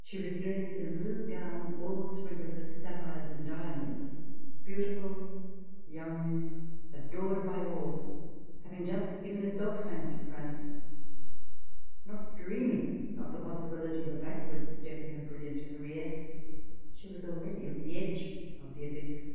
She was dressed in a blue gown all sprinkled with sapphires and diamonds; beautiful, young, adored by all, having just given a Dauphin to France, not dreaming of the possibility of a backward step in her brilliant career, she was already on the edge of the abyss.